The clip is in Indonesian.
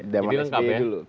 jadi dilengkapi ya